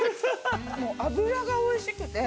脂が美味しくて。